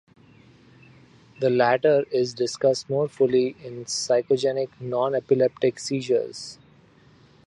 The latter is discussed more fully in psychogenic non-epileptic seizures.